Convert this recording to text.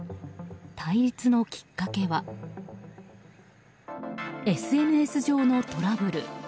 対立のきっかけはＳＮＳ上のトラブル。